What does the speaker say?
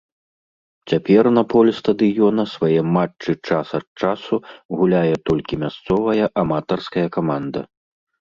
Цяпер на полі стадыёна свае матчы час ад часу гуляе толькі мясцовая аматарская каманда.